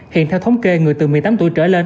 hiện theo thống kê người từ một mươi tám tuổi trở lên